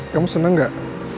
kamu seneng gak